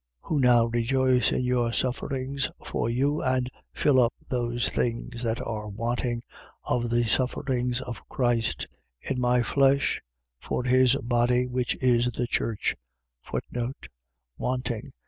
1:24. Who now rejoice in my sufferings for you and fill up those things that are wanting of the sufferings of Christ, in my flesh, for his body, which is the church: Wanting.